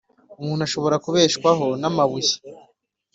umuntu ashobora kubeshwaho n'amabuye?